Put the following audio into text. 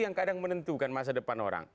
yang kadang menentukan masa depan orang